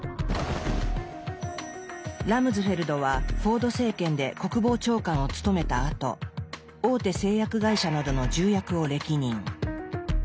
ラムズフェルドはフォード政権で国防長官を務めたあと大手製薬会社などの重役を歴任。